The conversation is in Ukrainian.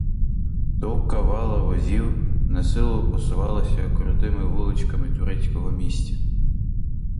Довга валка возів насилу посувалася крутими вуличками турецького міста.